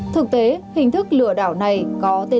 thực tế hình thức lừa đảo này có thông tin